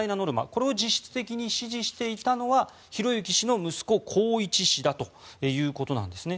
これを実質的に指示していたのは宏行氏の息子、宏一氏だということなんですね。